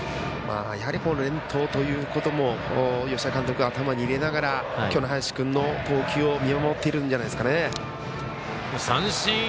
連投ということも吉田監督、頭に入れながら今日の林君の投球を見守ってるんじゃないですかね。